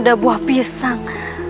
ada buah pisang